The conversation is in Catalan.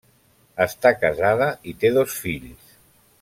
Està casada i té dos fills.